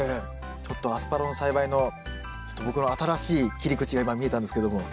ちょっとアスパラの栽培のちょっと僕の新しい切り口が今見えたんですけども。